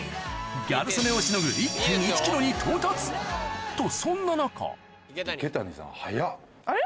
ギャル曽根をしのぐに到達とそんな中あれ？